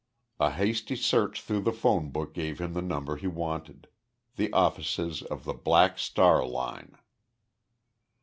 A hasty search through the phone book gave him the number he wanted the offices of the Black Star line.